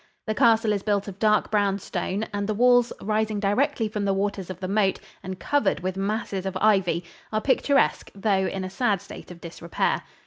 The castle is built of dark brown stone, and the walls, rising directly from the waters of the moat and covered with masses of ivy, are picturesque, though in a sad state of disrepair.